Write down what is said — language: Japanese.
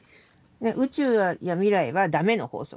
宇宙や未来はだめの法則。